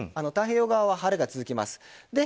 太平洋側は晴れが続きます。